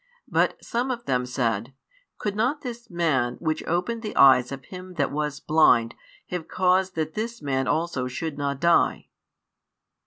But some of them said, Could not this Man, which opened the eyes of him that was blind, have caused that this man also should not die?